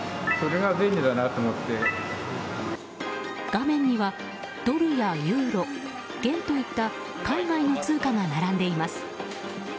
画面にはドルやユーロ元といった海外の通貨が並んでいます。